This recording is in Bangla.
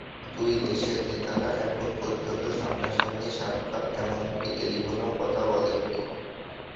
দুই দেশের নেতারা এখন পর্যন্ত সামনাসামনি সাক্ষাৎ, এমনকি টেলিফোনেও কথা বলেননি।